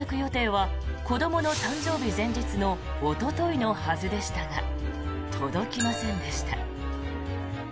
到着予定は子どもの誕生日前日のおとといのはずでしたが届きませんでした。